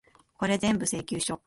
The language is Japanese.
これぜんぶ、請求書。